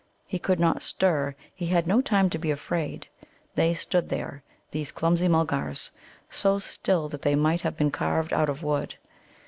He could not stir. He had no time to be afraid. They stood there, these clumsy Mulgars, so still that they might have been carved out of wood.